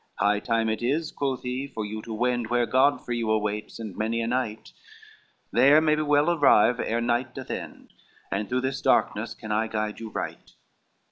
LXXXV "High time it is," quoth he, "for you to wend Where Godfrey you awaits, and many a knight, There may we well arrive ere night doth end, And through this darkness can I guide you right."